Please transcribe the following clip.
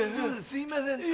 すいません。